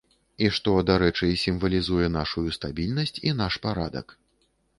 І што, дарэчы, сімвалізуе нашую стабільнасць і наш парадак.